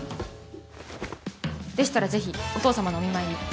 でしたらぜひお父様のお見舞いに。